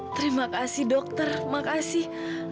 terima kasih dokter terima kasih